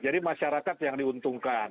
jadi masyarakat yang diuntungkan